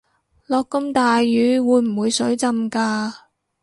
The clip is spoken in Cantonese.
落咁大雨會唔會水浸架